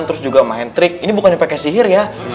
terus juga main trik ini bukannya pakai sihir ya